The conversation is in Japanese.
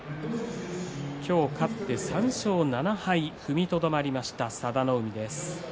今日勝って３勝７敗踏みとどまりました佐田の海です。